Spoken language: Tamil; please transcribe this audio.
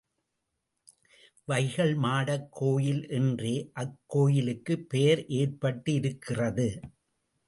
வைகல் மாடக் கோயில் என்றே அக்கோயிலுக்கு பெயர் ஏற்பட்டிருக்கிறது.